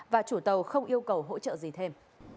và chủ tàu không yêu cầu hỗ trợ gì thêm